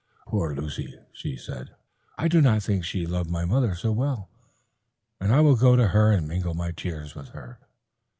"Poor Luce," said she, "I did not think she loved my mother so well. I will go to her and mingle my tears with hers."